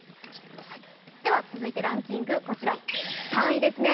続いてランキング、３位ですね。